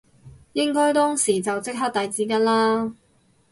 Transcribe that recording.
應該當時就即刻遞紙巾啦